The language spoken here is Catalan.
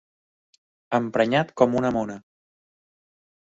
Emprenyat com una mona.